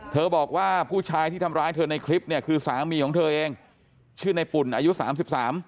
เธอบอกว่าผู้ชายที่ทำร้ายเธอในคลิปเนี่ยคือสามีของเธอเองชื่อนายปุ่นอายุ๓๓ปี